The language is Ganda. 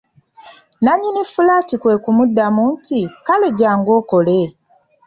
Nannyini fulaati kwe kumuddamu nti:"kale jjangu okole"